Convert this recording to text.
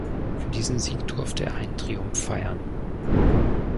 Für diesen Sieg durfte er einen Triumph feiern.